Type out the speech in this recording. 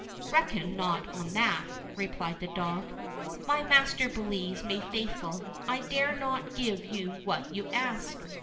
"Reckon not on that," replied the dog; "my master believes me faithful; I dare not give you what you ask."